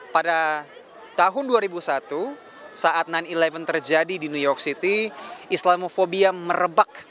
pada tahun dua ribu satu saat sembilan sebelas terjadi di new york city islamofobia merebak